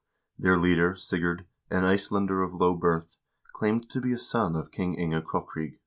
Their leader, Sigurd, an Icelander of low birth, claimed to be a son of King Inge Krokryg.